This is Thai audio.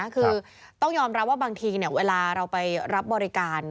คือต้องยอมรับว่าบางทีเวลาเราไปรับบริการ